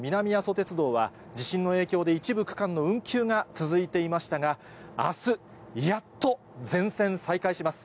鉄道は、地震の影響で一部区間の運休が続いていましたが、あす、やっと全線再開します。